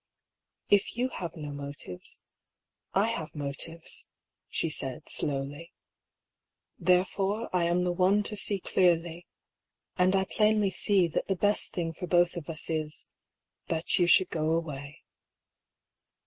" If you have no motives, I have motives," she said, slowly. " Therefore I am the one to see clearly. And I plainly see, that the best thing for both of us is — ^that you should go away."